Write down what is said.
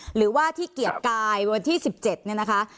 หรือว่าที่เกียรติกายวันที่๑๗เนี่ยนะคะ